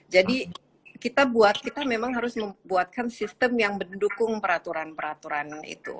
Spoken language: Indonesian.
jadi kita buat kita memang harus membuatkan sistem yang mendukung peraturan peraturan itu